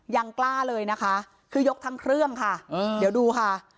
ยังกล้าเลยนะคะคือยกทั้งเครื่องค่ะเดี๋ยวดูค่ะ